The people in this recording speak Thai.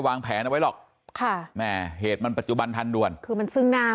วางแผนเอาไว้หรอกค่ะแม่เหตุมันปัจจุบันทันด่วนคือมันซึ่งหน้า